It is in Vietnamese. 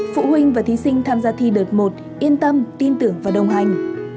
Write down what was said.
phụ huynh và thí sinh tham gia thi đợt một yên tâm tin tưởng và đồng hành